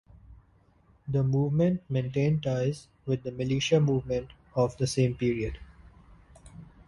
The movement maintained ties with the militia movement of the same period.